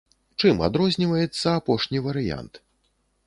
Чым адрозніваецца апошні варыянт?